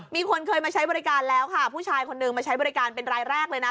มีคนเคยมาใช้บริการแล้วค่ะผู้ชายคนนึงมาใช้บริการเป็นรายแรกเลยนะ